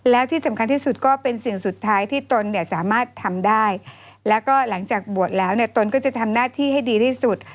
แล้วที่สำคัญที่สุดก็เป็นสิ่งสุดท้ายที่ตนเนี่ยสามารถทำได้แล้วก็หลังจากบวชแล้วเนี่ยตนก็จะทำหน้าที่ให้ดีที่สุด